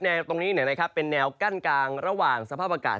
แนวตรงนี้เนี่ยนะครับเป็นแนวกั้นกลางระหว่างสภาพอากาศ